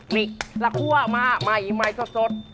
นี่แล้วครัวมาใหม่ใหม่สด